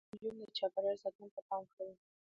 باسواده نجونې د چاپیریال ساتنې ته پام کوي.